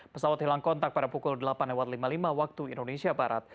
pesawat hilang kontak pada pukul delapan lima puluh lima waktu indonesia barat